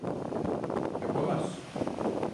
Yapamaz.